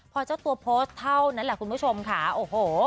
พอเจ้าตัวโพสต์เท่านั้นแหละคุณผู้ชมค่ะโอ้โห